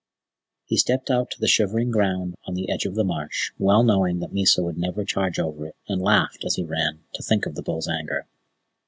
He stepped out to the shivering ground on the edge of the marsh, well knowing that Mysa would never charge over it and laughed, as he ran, to think of the bull's anger.